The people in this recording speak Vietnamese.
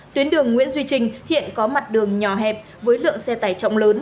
tuyến đường nguyễn duy trinh hiện có mặt đường nhỏ hẹp với lượng xe tải trọng lớn